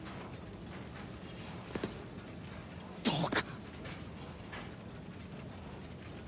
どうか！